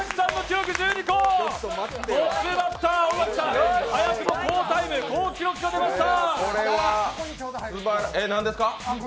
トップバッター・尾崎さん、速くも好タイム、好スタートを切りました。